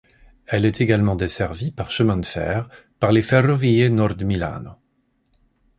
Elle est également desservie par chemin de fer, par les ferrovie Nord Milano.